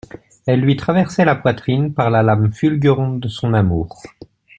Elle lui traversait la poitrine par la lame fulgurante de son amour.